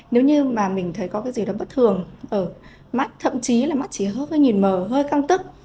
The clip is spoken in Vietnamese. nếu như mình thấy có gì đó bất thường ở mắt thậm chí là mắt chỉ hơi nhìn mờ hơi căng tức